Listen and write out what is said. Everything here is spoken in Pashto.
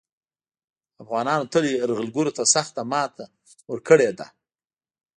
افغانانو تل یرغلګرو ته سخته ماته ورکړې ده